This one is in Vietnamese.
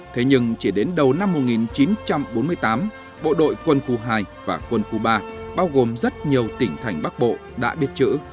thế nhưng chỉ đến đầu năm một nghìn chín trăm bốn mươi tám bộ đội quân khu hai và quân khu ba bao gồm rất nhiều tỉnh thành bắc bộ đã biết chữ